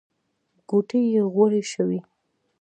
ګوتې يې غوړې شوې.